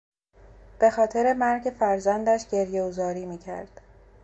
به خاطر مرگ فرزندش گریه و زاری میکرد.